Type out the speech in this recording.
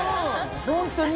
ホントに。